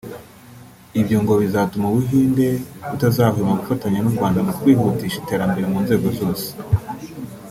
Ibyo ngo bizatuma u Buhinde butazahwema gufatanya n’u Rwanda mu kwihutisha iterambere mu nzego zose